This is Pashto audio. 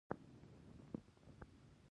د جوزجان په قرقین کې د ګازو نښې شته.